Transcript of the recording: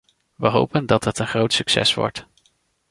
We hopen dat het een groot succes wordt.